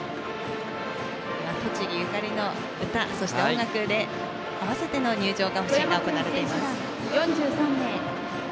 栃木ゆかりの歌そして音楽に合わせての入場行進が行われています。